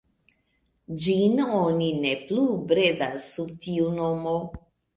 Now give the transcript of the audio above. Ĝin oni ne plu bredas sub tiu nomo.